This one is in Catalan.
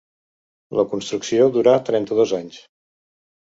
La construcció durà trenta-dos anys.